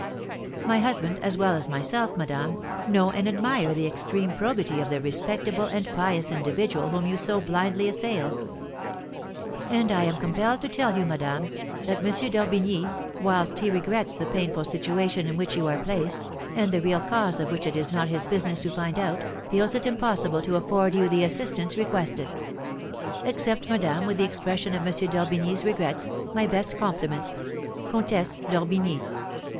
My husband, as well as myself, madame, know and admire the extreme probity of the respectable and pious individual whom you so blindly assail; and I am compelled to tell you, madame, that M. d'Orbigny, whilst he regrets the painful situation in which you are placed, and the real cause of which it is not his business to find out, feels it impossible to afford you the assistance requested. Accept, madame, with the expression of M. d'Orbigny's regrets, my best compliments. "'COMTESSE D'ORBIGNY.'"